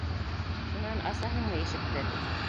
Шунан асаһыңмы ишекте?